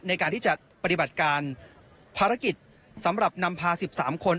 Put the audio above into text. ในการที่จะปฏิบัติการภารกิจสำหรับนำพา๑๓คน